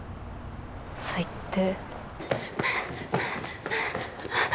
最低。